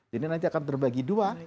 jadi nanti akan terbagi dua